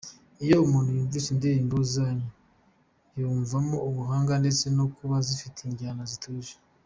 Iyo umuntu yumvise indirimbo zanyu, yumvamo ubuhanga ndetse no kuba zifite injyana zituje.